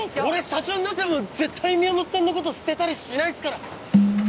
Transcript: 俺社長になっても絶対宮本さんのこと捨てたりしないっすから！